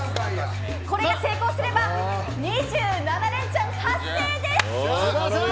これが成功すれば２７レンチャン達成です。